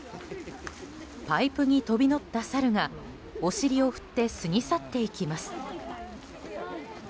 パイプに飛び乗ったサルがお尻を振って過ぎ去っていきます。